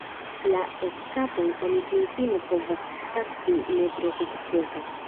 La eskapon oni finfine povas taksi ne tre sukcesa.